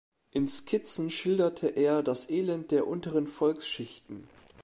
In Skizzen schilderte er das Elend der unteren Volksschichten.